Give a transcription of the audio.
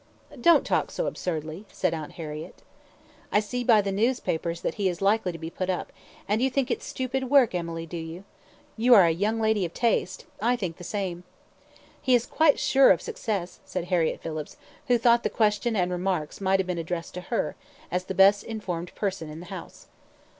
"Don't talk so absurdly," said Aunt Harriett. "I see by the newspapers that he is likely to be put up; and you think it stupid work, Emily, do you? You are a young lady of taste. I think the same." "He is quite sure of success," said Harriett Phillips, who thought the question and remarks might have been addressed to her, as the best informed person in the house.